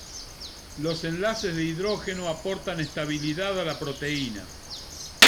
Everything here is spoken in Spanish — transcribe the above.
Los enlaces de hidrógeno aportan estabilidad a la proteína.